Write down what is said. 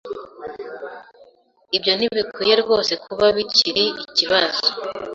Ibyo ntibikwiye rwose kuba bikiri ikibazo.